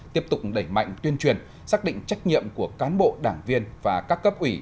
tiếp tục đẩy mạnh tuyên truyền xác định trách nhiệm của cán bộ đảng viên và các cấp ủy